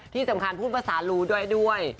ที่สำคัญพูดภาษารูด้วย